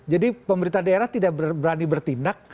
jadi pemerintah daerah tidak berani bertindak